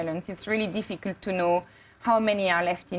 mengalami keadaan yang efektif